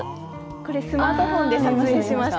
これ、スマートフォンで撮影しました。